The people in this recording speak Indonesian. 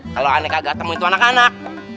kalau aneh kagak temuin itu anak anak